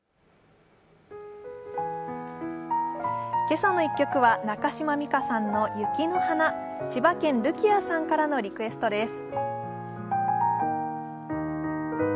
「けさの１曲」は中島美嘉さんの「雪の華」千葉県るきあさんからのリクエストです。